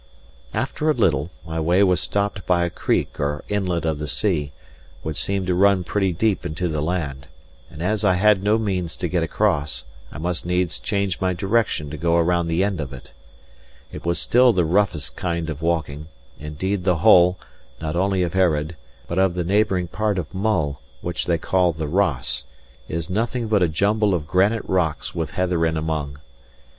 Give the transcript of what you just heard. After a little, my way was stopped by a creek or inlet of the sea, which seemed to run pretty deep into the land; and as I had no means to get across, I must needs change my direction to go about the end of it. It was still the roughest kind of walking; indeed the whole, not only of Earraid, but of the neighbouring part of Mull (which they call the Ross) is nothing but a jumble of granite rocks with heather in among.